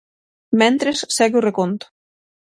Mentres, segue o reconto.